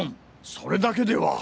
それだけでは。